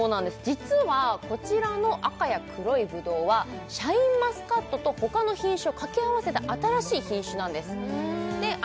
実はこちらの赤や黒いぶどうはシャインマスカットと他の品種を掛け合わせた新しい品種なんですで黒いぶどうがあると思うんですけど